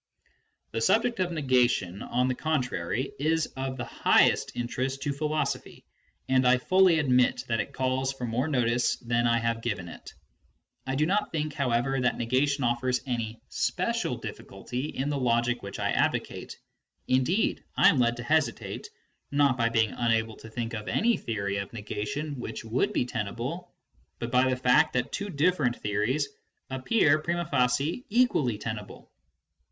The subject of negation, on the contrary, is of the highest interest to philosophy, and I fully admit that it calls for more notice than I have given it. I do not think, however, that negation oflfers any special difiBculty in the logic which I advocate ; indeed, I am led to hesitate, not by being unable to think of any theory of negation which would be tenable, but by the fact that two different theories appear prinu'i facie equally tenable.